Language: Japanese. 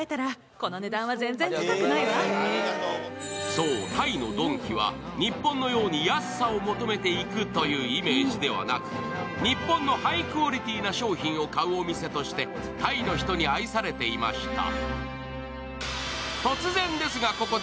そう、タイのドンキは日本のように安さを求めてて行くというイメージではなく日本のハイクオリティーな商品を買うお店としてタイの人に愛されていました。